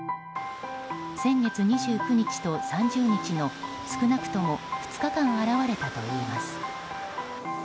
先月２９日と３０日の少なくとも２日間、現れたといいます。